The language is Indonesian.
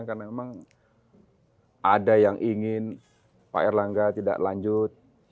karena memang ada yang ingin pak erlangga tidak lanjut